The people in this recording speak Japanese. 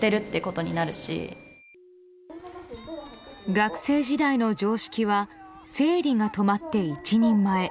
学生時代の常識は生理が止まって一人前。